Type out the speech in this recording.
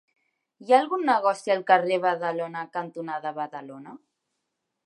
Hi ha algun negoci al carrer Badalona cantonada Badalona?